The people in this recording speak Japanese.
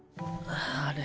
あれ？